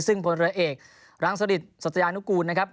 ซึ่งพลเรือเอกรังสฤษสัตยานุกูลนะครับ